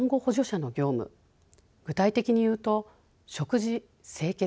具体的にいうと食事清潔